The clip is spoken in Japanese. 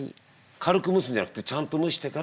軽く蒸すんじゃなくてちゃんと蒸してから。